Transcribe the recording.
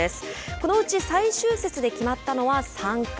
このうち最終節で決まったのは３回。